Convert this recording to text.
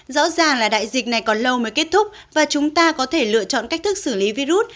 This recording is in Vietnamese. rõ ràng là đại dịch này còn lâu mới kết thúc và chúng ta có thể lựa chọn cách thức xử lý virus